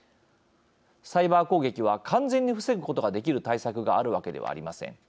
サイバー攻撃は完全に防ぐことができる対策があるわけではありません。